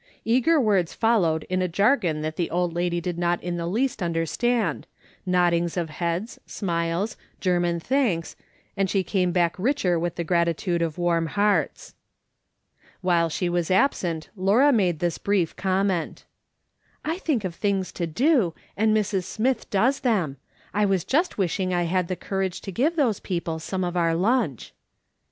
Eager words followed in a jargon that the old lady did not in the least understand, noddings of heads, smiles, German thanks, and she came back richer with the gratitude of warm hearts. While she was absent Laura made this brief com ment :" I think of things to do, and Mrs. Smith does them. I was just wishing I had the courage to give those people some of our lunch.''